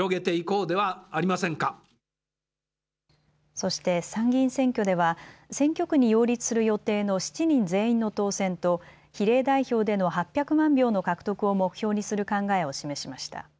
そして参議院選挙では選挙区に擁立する予定の７人全員の当選と比例代表での８００万票の獲得を目標にする考えを示しました。